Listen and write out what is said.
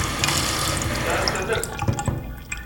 Ttɛasan akk.